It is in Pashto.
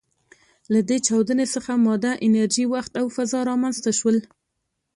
له دې چاودنې څخه ماده، انرژي، وخت او فضا رامنځ ته شول.